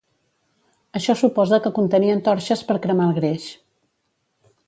Això suposa que contenien torxes per cremar el greix.